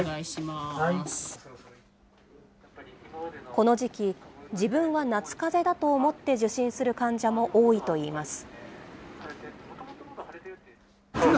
この時期、自分は夏かぜだと思って受診する患者も多いといいます。